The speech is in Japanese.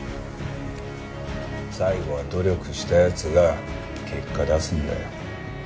最後は努力した奴が結果出すんだよ。